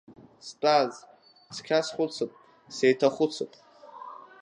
Стәаз, цқьа схәыцып, сеиҭахәыцып.